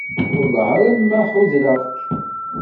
Wellah arma ḥudreɣ-k.